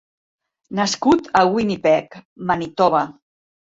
Nascut a Winnipeg, Manitoba.